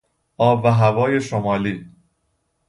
آب و هوای شمالی